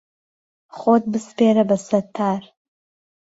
خۆت بسپیره به سهتتار